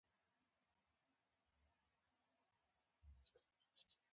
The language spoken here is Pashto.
کلتوري جوړښت او ټولنیز چوکاټ هم پکې شامل دي.